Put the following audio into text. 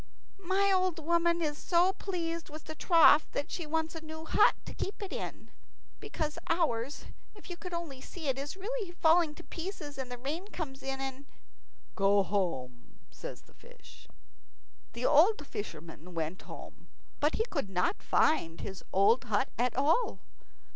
"My old woman is so pleased with the trough that she wants a new hut to keep it in, because ours, if you could only see it, is really falling to pieces, and the rain comes in and ." "Go home," says the fish. The old fisherman went home, but he could not find his old hut at all.